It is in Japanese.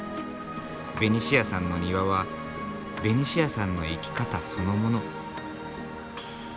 ベニシアさんの庭はベニシアさんの生き方そのもの。